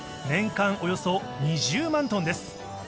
年間およそ２０万トンです。